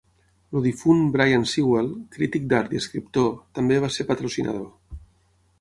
El difunt Brian Sewell, crític d'art i escriptor, també va ser patrocinador.